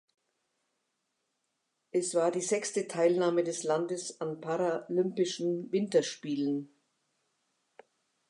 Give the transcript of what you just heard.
Es war die sechste Teilnahme des Landes an Paralympischen Winterspielen.